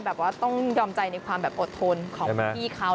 แบบว่าต้องยอมใจในความแบบอดทนของพี่เขา